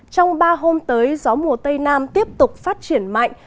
trong ba hôm tới gió mùa tây nam tiếp tục phát triển mạnh